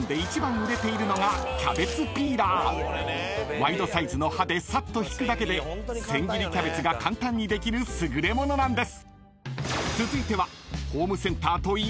［ワイドサイズの刃でさっと引くだけで千切りキャベツが簡単にできる優れものなんです］